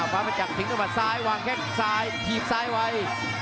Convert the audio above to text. ฟ้าไปจับทิ้งต้นมัดซ้ายวางแค่ทีมซ้ายไว้